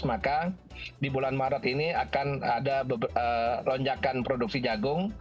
maka di bulan maret ini akan ada lonjakan produksi jagung